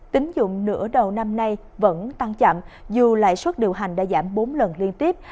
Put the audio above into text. tính dụng nửa đầu năm nay vẫn tăng chậm dù lãi suất điều hành đã giảm bốn lần liên tiếp